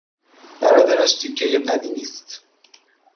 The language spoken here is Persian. برادرش تیکهی بدی نیست!